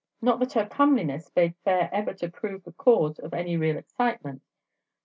Not that her comeliness bade fair ever to prove the cause of any real excitement.